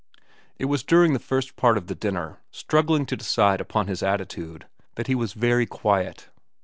It was during the first part of the dinner, struggling to decide upon his attitude, that he was very quiet.